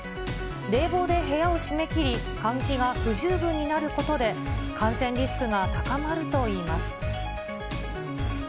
冷房で部屋を閉め切り、換気が不十分になることで、感染リスクが高まるといいます。